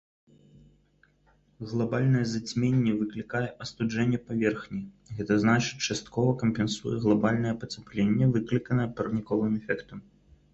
Глабальнае зацьменне выклікае астуджэнне паверхні, гэта значыць часткова кампенсуе глабальнае пацяпленне, выкліканае парніковым эфектам.